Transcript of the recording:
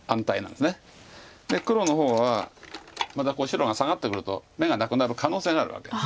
で黒の方はまた白がサガってくると眼がなくなる可能性があるわけです。